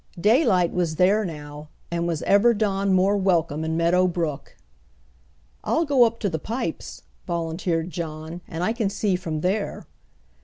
Daylight was there now; and was ever dawn more welcome in Meadow Brook! "I'll go up to the pipes," volunteered John. "And I can see from there."